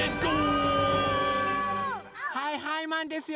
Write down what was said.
はいはいマンですよ！